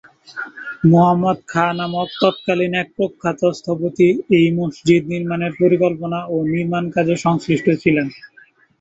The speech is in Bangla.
মুহাম্মদ খাঁ নামক তৎকালীন এক প্রখ্যাত স্থপতি এই মসজিদ নির্মাণের পরিকল্পনা ও নির্মাণ কাজে সংশ্লিষ্ট ছিলেন।